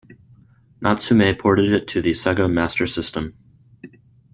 Natsume ported it to the Sega Master System.